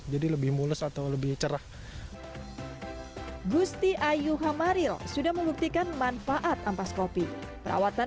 jadi lebih mulus atau lebih cerah gusti ayu hamaril sudah membuktikan manfaat ampas kopi perawatan